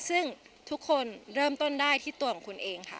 ซึ่งทุกคนเริ่มต้นได้ที่ตัวของคุณเองค่ะ